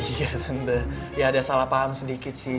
iya tentu ya ada salah paham sedikit sih